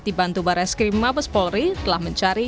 dibantu barai skrim mabes polri telah mencari